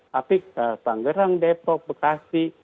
tapi pangerang depok bekasi